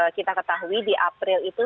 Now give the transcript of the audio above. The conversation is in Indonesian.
kita ketahui di april itu